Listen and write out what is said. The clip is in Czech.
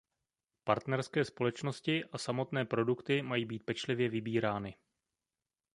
Partnerské společnosti a samotné produkty mají být pečlivě vybírány.